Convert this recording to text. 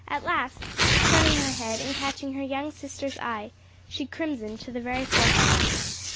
At last turning her head and catching her young sister's eye, she crimsoned to the very forehead.